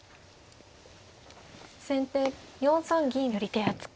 先手４三銀。より手厚く。